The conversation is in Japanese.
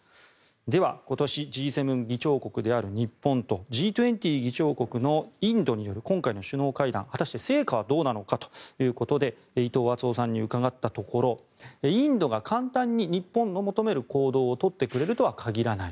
では今年Ｇ７議長国である日本とＧ２０議長国であるインドの今回の首脳会談、果たして成果はどうなのかということで伊藤惇夫さんに伺ったところインドが簡単に日本の求める行動を取ってくれるとは限らない。